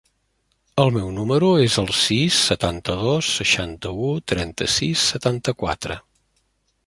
El meu número es el sis, setanta-dos, seixanta-u, trenta-sis, setanta-quatre.